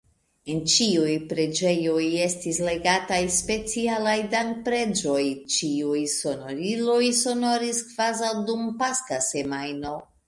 En ĉiuj preĝejoj estis legataj specialaj dankpreĝoj, ĉiuj sonoriloj sonoris kvazaŭ dum Paska semajno.